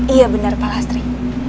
iya benar pak lastri